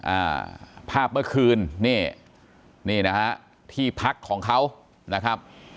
อ่าภาพเมื่อคืนนี่นี่นะฮะที่พักของเขานะครับ